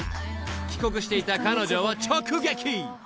［帰国していた彼女を直撃］